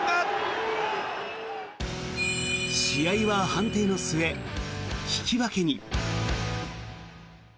試合は判定の末、引き分けに。